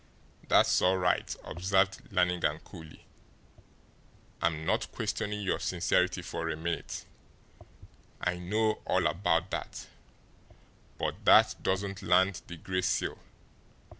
"That's all right," observed Lannigan coolly. "I'm not questioning your sincerity for a minute; I know all about that; but that doesn't land the Gray Seal.